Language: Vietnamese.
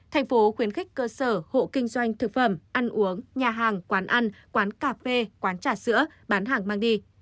thành phố khuyến khích cơ sở hộ kinh doanh thực phẩm ăn uống nhà hàng quán ăn quán cà phê quán trà sữa bán hàng mang đi